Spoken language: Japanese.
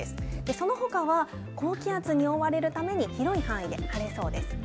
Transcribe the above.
そのほかは高気圧に覆われるために広い範囲で晴れそうです。